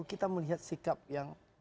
kita melihat sikap yang